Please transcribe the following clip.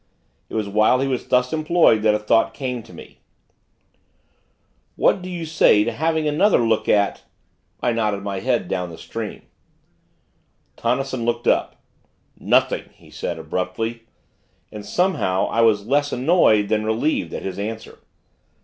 It was while he was thus employed, that a thought came to me: "What do you say to having another look at ?" I nodded my head down stream. Tonnison looked up. "Nothing!" he said, abruptly; and, somehow, I was less annoyed, than relieved, at his answer.